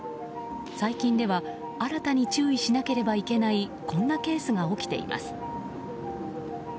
最近では新たに注意しなければいけないこんなケースが起きています。